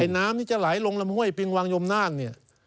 น้ำที่จะไหลลงลำห้วยปิงวังยมนานเนี่ย